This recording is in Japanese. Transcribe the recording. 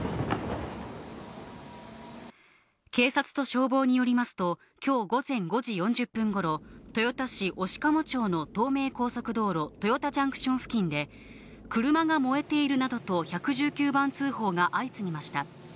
警察と消防によりますと、きょう午前５時４０分ごろ、豊田市鴛鴨町の東名高速道路豊田ジャンクション付近で、車が燃えているなどと１１９番通報が相次ぎました。